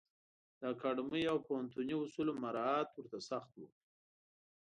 د اکاډمیو او پوهنتوني اصولو مرعات ورته سخت و.